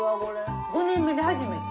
５年目で初めて。